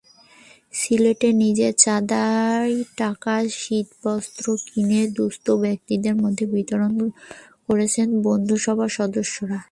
সিলেটে নিজেদের চাঁদার টাকায় শীতবস্ত্র কিনে দুস্থ ব্যক্তিদের মধ্যে বিতরণ করেছেন বন্ধুসভার সদস্যরা।